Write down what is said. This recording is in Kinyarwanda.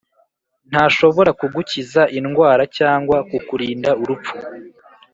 ntashobora kugukiza indwara cyangwa kukurinda urupfu